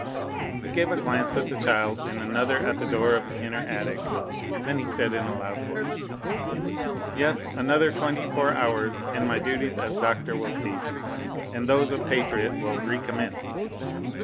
He gave a glance at the child and another at the door of the inner attic, then he said in a loud voice: "Yes, another twenty four hours and my duties as doctor will cease and those of patriot will re commence.